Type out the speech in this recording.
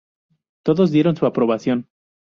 Todos dieron su aprobación.